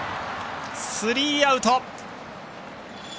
スリーアウト。